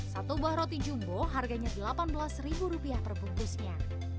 satu buah roti jumbo harganya delapan belas ribu rupiah per bungkusnya